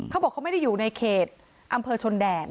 เขาบอกเขาไม่ได้อยู่ในเขตอำเภอชนแดน